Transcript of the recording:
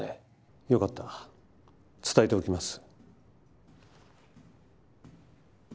良かった伝えておきます。